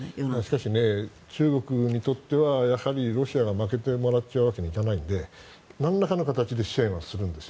しかし、中国にとってはロシアに負けてもらっちゃうわけにはいかないのでなんらかの形で支援はするんですよ。